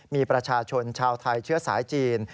มีประชาชนชาวไทยเชื้อสายจีน